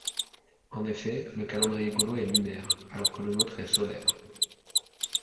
En effet le calendrier gaulois est lunaire alors que le nôtre est solaire.